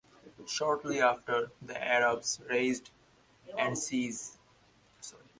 Shortly after, the Arabs raised the siege.